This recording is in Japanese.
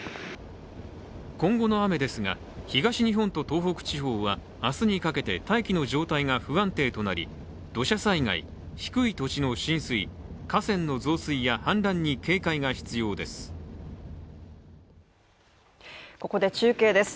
今後の雨ですが、東日本と東北地方は明日にかけて大気の状態が不安定となり土砂災害、低い土地の浸水、河川の増水や、氾濫に警戒が必要です。